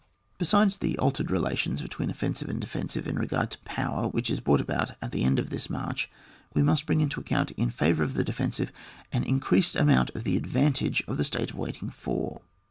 Besides the altered relations between offensive and defensive in regard to power which is brought about at the end of this march, we must bring into account in favour of the defensive an tnareaaed amount of the advantage of the state of ''waiting for."